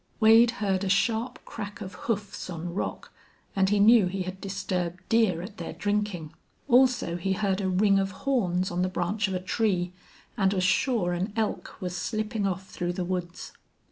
Wade heard a sharp crack of hoofs on rock, and he knew he had disturbed deer at their drinking; also he heard a ring of horns on the branch of a tree, and was sure an elk was slipping off through the woods.